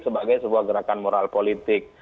sebagai sebuah gerakan moral politik